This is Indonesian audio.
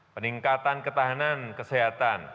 peningkatan ketahanan kesehatan